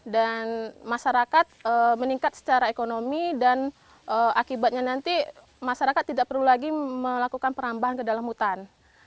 dan masyarakat meningkat secara ekonomi dan akibatnya nanti masyarakat tidak perlu lagi melakukan perambahan ke dalam hutan